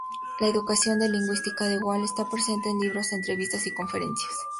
La educación de lingüista de Wall está presente en sus libros, entrevistas y conferencias.